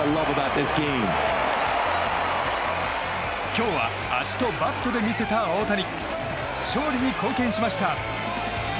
今日は足とバットで魅せた大谷勝利に貢献しました。